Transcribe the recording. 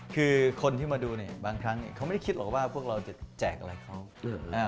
คือคนที่มาดูเนี่ยบางครั้งเขาไม่ได้คิดหรอกว่าพวกเราจะแจกอะไรเขา